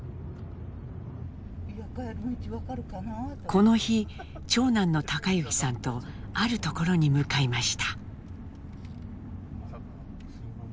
この日長男の貴之さんとあるところに向かいました。